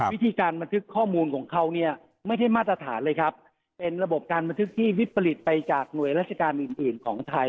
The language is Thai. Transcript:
วิธีการบันทึกข้อมูลของเขาเนี่ยไม่ใช่มาตรฐานเลยครับเป็นระบบการบันทึกที่วิปริตไปจากหน่วยราชการอื่นอื่นของไทย